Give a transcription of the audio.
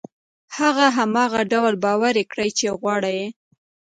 هغه هماغه ډول باوري کړئ چې غواړي يې.